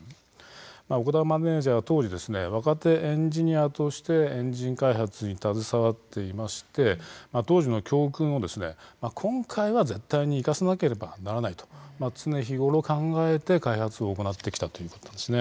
岡田マネージャーは当時若手エンジニアとしてエンジン開発に携わっていまして当時の教訓を、今回は絶対に生かさなければならないと常日頃考えて開発を行ってきたということです。